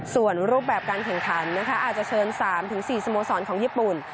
ส่วนรูปแบบการแข่งขันนะคะอาจจะเชิญ๓๔สโมสรของญี่ปุ่น